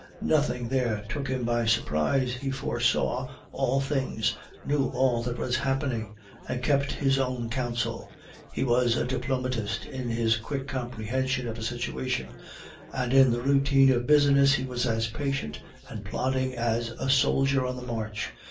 Nothing there took him by surprise; he foresaw all things, knew all that was happening, and kept his own counsel; he was a diplomatist in his quick comprehension of a situation; and in the routine of business he was as patient and plodding as a soldier on the march.